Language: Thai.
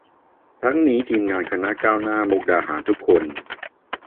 ทั้งนี้ทีมงานคณะก้าวหน้ามุกดาหารทุกคน